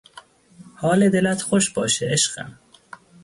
حال دلت خوش باشه عشقم